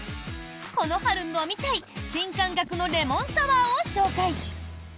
この春飲みたい新感覚のレモンサワーを紹介！